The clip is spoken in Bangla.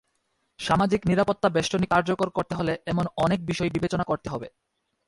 সামাজিক নিরাপত্তাবেষ্টনী কার্যকর করতে হলে এমন অনেক বিষয় বিবেচনা করতে হবে।